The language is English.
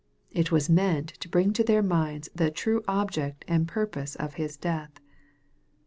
It was meant to hring to their minds the true object and purpose of His death.